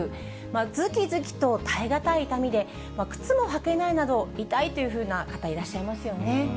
ずきずきと耐え難い痛みで、靴も履けないなど、痛いというふうな方いらっしゃいますよね。